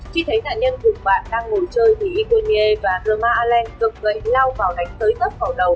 khi thấy nạn nhân cùng bạn đang ngồi chơi thì iconier và germain allen cực gậy lau vào đánh tới tớp khẩu đầu